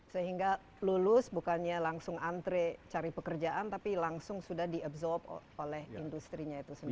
sehingga lulus bukannya langsung antre cari pekerjaan tapi langsung sudah di absorb oleh industri nya itu sendiri